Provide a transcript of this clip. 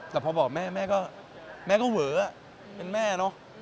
แต่พอบอกแม่แม่ก็เว๋เป็นแม่เนอะ